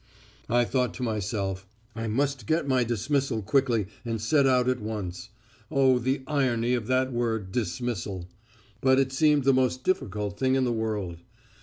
"I thought to myself: 'I must get my "dismissal" quickly and set out at once. Oh, the irony of that word "dismissal."' But it seemed the most difficult thing in the world.